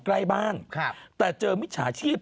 ใกล้บ้านแต่เจอมิจฉาชีพ